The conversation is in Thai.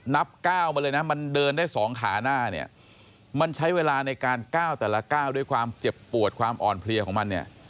นับก้าวมาเลยนะมันเดินได้๒ขาหน้าเนี่ยมันใช้เวลาในการก้าวแต่ละก้าวด้วยความเจ็บปวดความอ่อนเพลียของมันเนี่ย